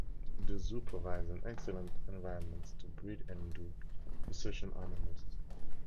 The zoo provides an excellent environment to breed an do research on animals.